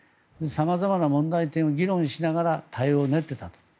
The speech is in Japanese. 様々な問題点を議論しながら対応を練っていたと。